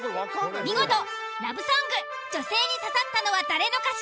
見事ラブソング女性に刺さったのは誰の歌詞？